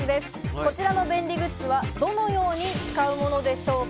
こちらの便利グッズはどのように使うものでしょうか？